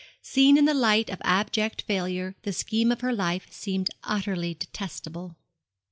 Seen in the light of abject failure, the scheme of her life seemed utterly detestable.